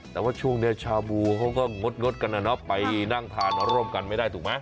แต่ว่าช่วงนี้ชาบูเขาก็งดกันนะเนาะไปนั่งทานร่วมกันไม่ได้ถูกไหม